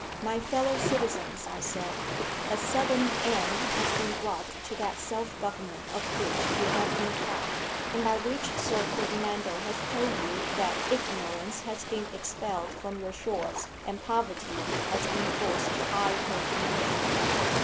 "My fellow citizens," I said, "a sudden end has been brought to that self government of which we have been proud, and by which Sir Ferdinando has told you that 'ignorance has been expelled from your shores, and poverty has been forced to hide her diminished head.'